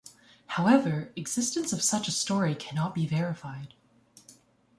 However existence of such a story cannot be verified.